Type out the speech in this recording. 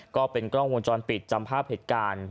ก็เป็นกล้องวงจรปิดจำภาพเหตุการณ์